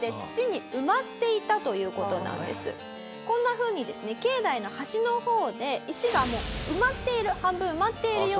こんなふうにですね境内の端の方で石が埋まっている半分埋まっているような。